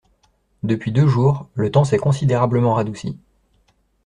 Depuis deux jours le temps s’est considérablement radouci.